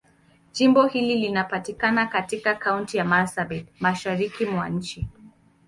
Jimbo hili linapatikana katika Kaunti ya Marsabit, Mashariki mwa nchi.